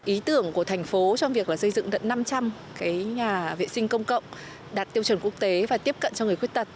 ý tưởng của thành phố trong việc xây dựng được năm trăm linh nhà vệ sinh công cộng đạt tiêu chuẩn quốc tế và tiếp cận cho người khuyết tật